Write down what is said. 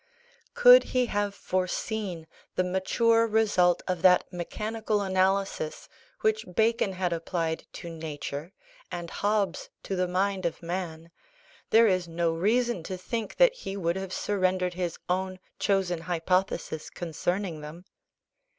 Could he have foreseen the mature result of that mechanical analysis which Bacon had applied to nature, and Hobbes to the mind of man, there is no reason to think that he would have surrendered his own chosen hypothesis concerning them.